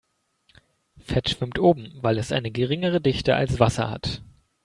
Fett schwimmt oben, weil es eine geringere Dichte als Wasser hat.